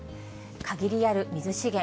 限りある水資源。